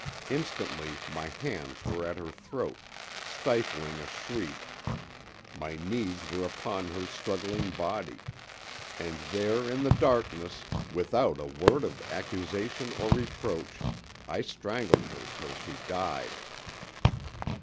Instantly my hands were at her throat, stifling a shriek, my knees were upon her struggling body; and there in the darkness, without a word of accusation or reproach, I strangled her till she died!